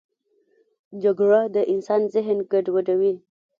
جګړه د انسان ذهن ګډوډوي